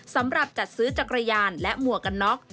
สำหรับจัดซื้อจักรยานและหมวกกันน็อก